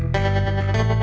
semarang semarang semarang